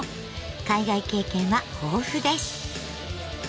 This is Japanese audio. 海外経験は豊富です。